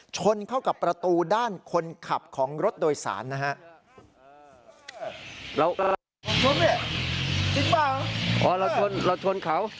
ชนเข้ากับประตูด้านคนขับของรถโดยสารนะฮะ